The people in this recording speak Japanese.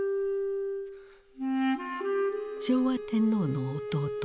昭和天皇の弟